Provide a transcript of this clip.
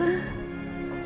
mama pasti seneng liat kamu